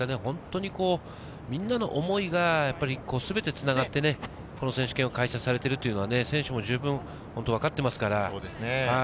みんなの思いが全てつながって、この選手権が開催されているというのは選手も十分わかっていますから。